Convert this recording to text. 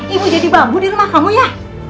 ibu jadi bambu di rumah kamu ya